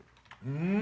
うん！